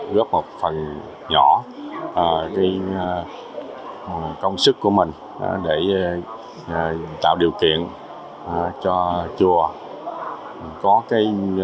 góp một phần nhỏ công sức của mình để tạo điều kiện cho chùa